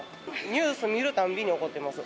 ニュース見るたんびに怒ってます。